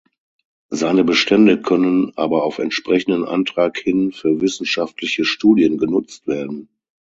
Seine Bestände können aber auf entsprechenden Antrag hin für wissenschaftliche Studien genutzt werden.